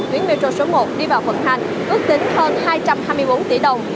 tuyến metro số một đi vào vận hành ước tính hơn hai trăm hai mươi bốn tỷ đồng